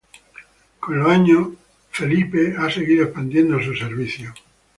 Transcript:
Con los años, Naver ha seguido expandiendo sus servicios.